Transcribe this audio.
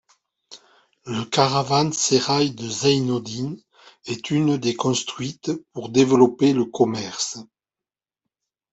Le caravansérail de Zeinodin est une des construites pour développer le commerce.